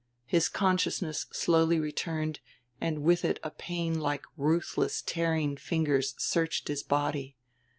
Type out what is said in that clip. His consciousness slowly returned, and with it a pain like ruthless tearing fingers searched his body.